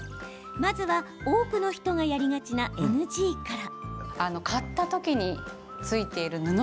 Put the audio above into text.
まずは多くの人がやりがちなＮＧから。